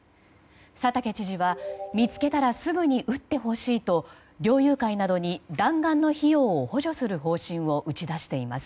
佐竹知事は見つけたらすぐに撃ってほしいと猟友会などに弾丸の費用を補助する方針を打ち出しています。